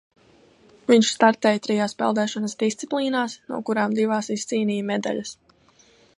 Viņš startēja trijās peldēšanas disciplīnās, no kurām divās izcīnīja medaļas.